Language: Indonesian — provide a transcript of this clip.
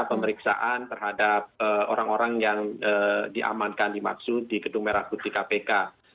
pemeriksaan terhadap orang orang yang diamankan dimaksud di gedung merah putih kpk